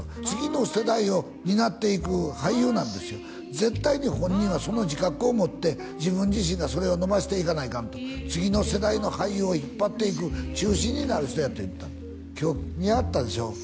次の世代を担っていく俳優なんですよ絶対に本人はその自覚を持って自分自身がそれを伸ばしていかないかんと次の世代の俳優を引っ張っていく中心になる人やって言ってた今日見はったでしょ？